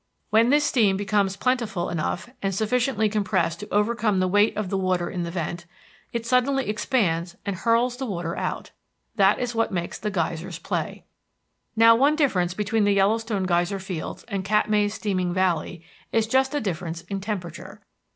When this steam becomes plentiful enough and sufficiently compressed to overcome the weight of the water in the vent, it suddenly expands and hurls the water out. That is what makes the geyser play. Now one difference between the Yellowstone geyser fields and Katmai's steaming valleys is just a difference in temperature.